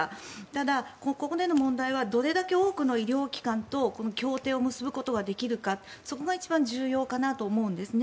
ただここでの問題がどれだけの医療機関とこの協定を結ぶことができるかそこが一番重要かなと思うんです